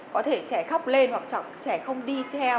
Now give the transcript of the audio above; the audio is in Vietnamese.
có thể trẻ khóc lên hoặc trẻ không đi theo